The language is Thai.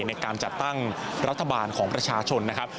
ในการจัดตั้งรัฐบาลของประชาชนนะครับ